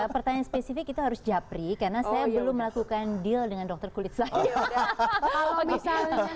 pertanyaan spesifik itu harus japri karena saya belum melakukan deal dengan dokter kulit saya